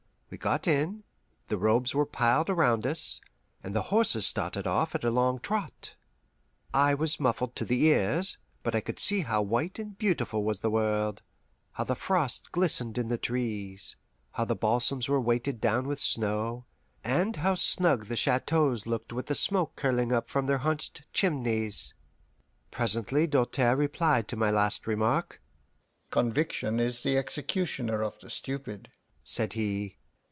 We got in, the robes were piled around us, and the horses started off at a long trot. I was muffled to the ears, but I could see how white and beautiful was the world, how the frost glistened in the trees, how the balsams were weighted down with snow, and how snug the chateaux looked with the smoke curling up from their hunched chimneys. Presently Doltaire replied to my last remark. "Conviction is the executioner of the stupid," said he.